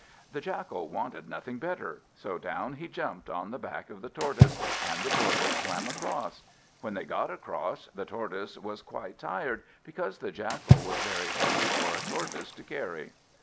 The Jackal wanted nothing better, so down he jumped on the back of the Tortoise, and the Tortoise swam across. When they got across, the Tortoise was quite tired, because the Jackal was very heavy for a Tortoise to carry.